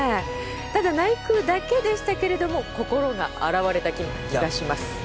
ただ内宮だけでしたけれども心が洗われた気がします。